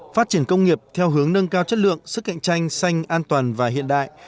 phát triển công nghiệp theo hướng nâng cao chất lượng sức cạnh tranh xanh an toàn và hiện đại